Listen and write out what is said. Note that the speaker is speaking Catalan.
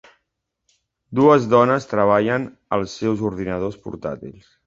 Dues dones treballen als seus ordinadors portàtils.